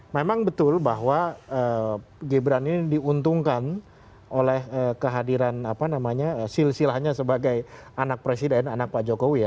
memang betul bahwa gibran ini diuntungkan oleh kehadiran apa namanya silsilahnya sebagai anak presiden anak pak jokowi ya